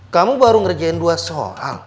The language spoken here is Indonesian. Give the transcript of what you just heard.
kamu baru ngerjain dua soal